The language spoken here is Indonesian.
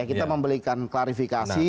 kita memberikan klarifikasi